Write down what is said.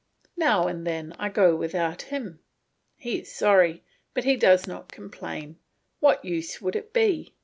Now and then I go without him; he is sorry, but he does not complain; what use would it be?